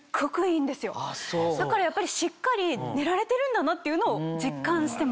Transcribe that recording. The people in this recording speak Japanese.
だからしっかり寝られてるんだなっていうのを実感してます。